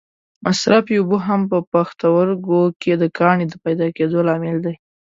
مصرفې اوبه هم په پښتورګو کې د کاڼې د پیدا کېدو لامل دي.